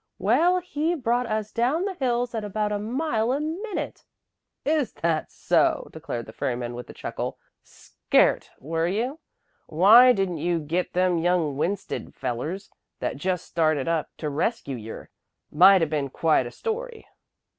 Well, he brought us down the hills at about a mile a minute." "Is that so!" declared the ferryman with a chuckle. "Scairt, were you? Why didn't you git them young Winsted fellers, that jest started up, to rescue yer? Might a ben quite a story."